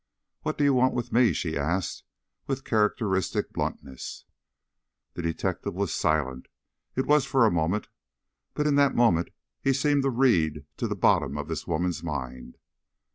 "What do you want with me?" she asked, with characteristic bluntness. The detective was silent. It was but for a moment, but in that moment he seemed to read to the bottom of this woman's mind.